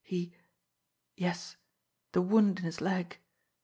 He yes the wound in his leg!